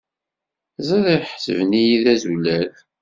Ẓriɣ ḥesben-iyi d azulal.